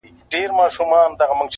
په سبب د لېونتوب دي پوه سوم یاره,